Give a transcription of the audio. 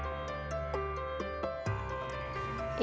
pertanian di kampung sidowaya dua ribu tujuh belas